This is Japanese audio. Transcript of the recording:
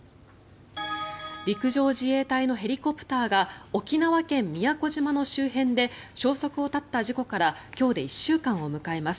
陸上自衛隊のヘリコプターが沖縄県・宮古島の周辺で消息を絶った事故から今日で１週間を迎えます。